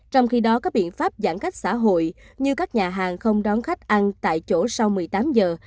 trong khi đó các biện pháp giãn cách xã hội như các nhà hàng không đón khách ăn tại chỗ sau một mươi tám giờ